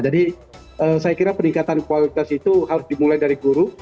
jadi saya kira peningkatan kualitas itu harus dimulai dari guru